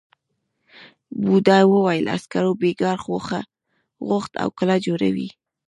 بوڊا وویل عسکرو بېگار غوښت او کلا جوړوي.